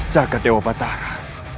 jaga dewa batara